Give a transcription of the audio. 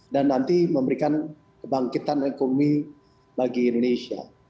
dan nanti memberikan kebangkitan ekonomi bagi indonesia